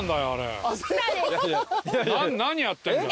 何やってんだよ。